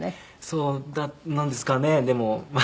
そうなんですかねでも。